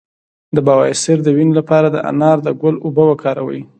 د بواسیر د وینې لپاره د انار د ګل اوبه وکاروئ